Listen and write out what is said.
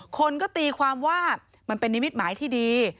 คนก็ตีความว่ามันเป็นนิมิตหมายที่ดี